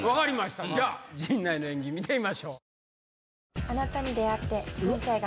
じゃあ陣内の演技見てみましょう。